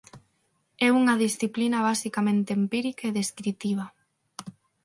É unha disciplina basicamente empírica e descritiva.